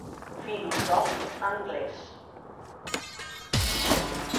Filosòf anglés.